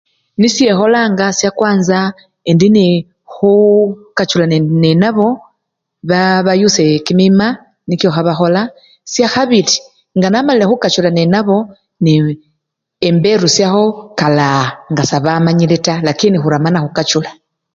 Nisho ikholanga syskwanza indi neee khuukachula ne! nenabo baa! bayusye kimima nikio khabakhola syakhabili nga namalile khukachula nenabo neee emberusyakho kalaaa nga sebamanyile taa lakini khurama nakhukachula.